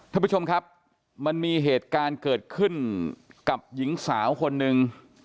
ท่านผู้ชมครับมันมีเหตุการณ์เกิดขึ้นกับหญิงสาวคนหนึ่ง